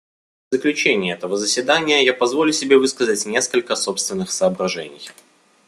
В заключение этого заседания я позволю себе высказать несколько собственных соображений.